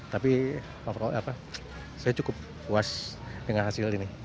tapi apa saya cukup puas dengan hal ini